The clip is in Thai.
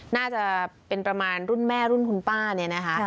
น่าจะเป็นประมาณรุ่นแม่รุ่นคุณป้าเนี่ยนะคะ